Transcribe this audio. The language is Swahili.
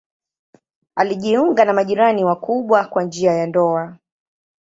Alijiunga na majirani wakubwa kwa njia ya ndoa.